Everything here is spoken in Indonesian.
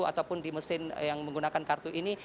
ataupun di mesin yang menggunakan kartu ini